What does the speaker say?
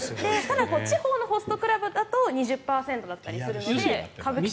地方のホストクラブだと２０％だったりするので歌舞伎町は。